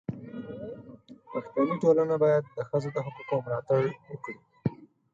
پښتني ټولنه باید د ښځو د حقونو ملاتړ وکړي.